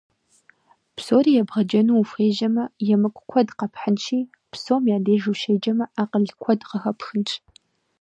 Псори ебгъэджэну ухуежьэмэ, емыкӀу куэд къэпхьынщи, псом я деж ущеджэмэ, акъыл куэд къыхэпхынщ.